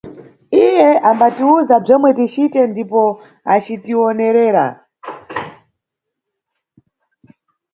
Iye ambatiwuza bzomwe ticite ndipo acitiwonerera.